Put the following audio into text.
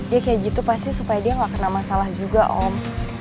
dia kayak gitu pasti supaya dia nggak kena masalah juga om